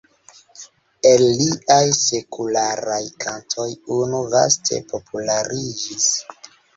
El liaj sekularaj kantoj unu vaste populariĝis.